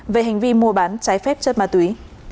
về hành vi mua bán trái phép chất ma túy